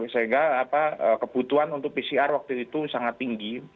sehingga kebutuhan untuk pcr waktu itu sangat tinggi